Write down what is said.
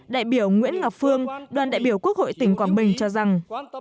đại biểu nguyễn ngọc phương đoàn đại biểu quốc hội tỉnh quảng bình cho rằng